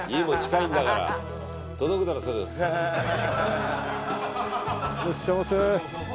いらっしゃいませ。